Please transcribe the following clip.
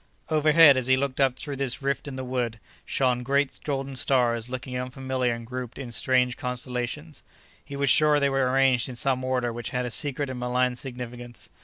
Overhead, as he looked up through this rift in the wood, shone great golden stars looking unfamiliar and grouped in strange constellations. He was sure they were arranged in some order which had a secret and malign significance.